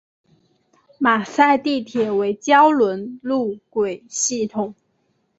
马赛地铁为胶轮路轨系统。